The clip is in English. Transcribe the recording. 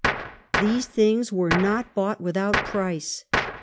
These things were not bought without price.